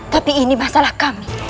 tapi ini masalah kami